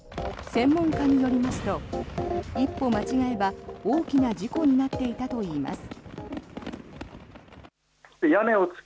専門家によりますと一歩間違えば大きな事故になっていたといいます。